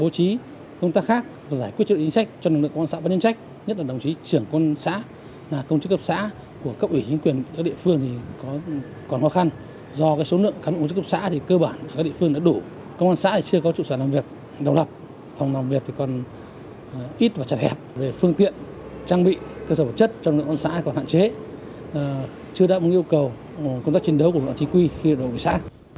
các cơ sở vật chất trong các xã còn hạn chế chưa đáp mục yêu cầu công tác chiến đấu của công an chính quy khi đổ về xã